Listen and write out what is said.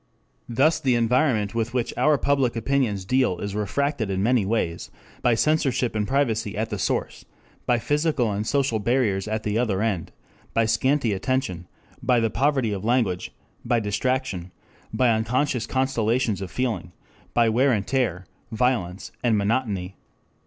6 Thus the environment with which our public opinions deal is refracted in many ways, by censorship and privacy at the source, by physical and social barriers at the other end, by scanty attention, by the poverty of language, by distraction, by unconscious constellations of feeling, by wear and tear, violence, monotony.